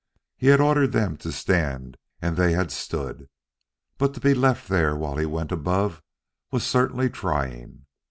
He had ordered them to stand and they had stood, but to be left there while he went above was certainly trying.